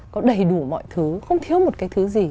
có đầy đủ mọi thứ không thiếu một cái thứ gì